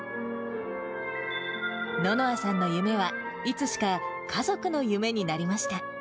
ののあさんの夢は、いつしか家族の夢になりました。